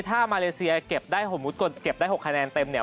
ถ้ามาเลเซียเก็บได้๖คำนาญเต็มเนี่ย